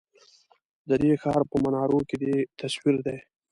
ددې ښار په منارو کی دی تصوير دی